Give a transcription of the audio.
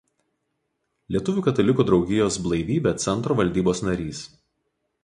Lietuvių katalikų draugijos „Blaivybė“ centro valdybos narys.